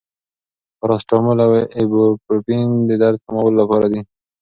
پاراسټامول او ایبوپروفین د درد کمولو لپاره دي.